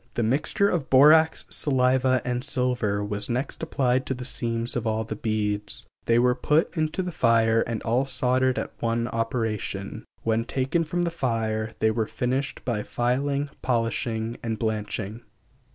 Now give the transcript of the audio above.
The mixture of borax, saliva, and silver was next applied to the seams of all the beads; they were put into the fire and all soldered at one operation. When taken from the fire they were finished by filing, polishing and blanching.